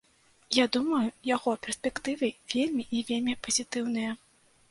Я думаю, яго перспектывы вельмі і вельмі пазітыўныя.